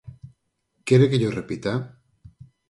¿Quere que llo repita?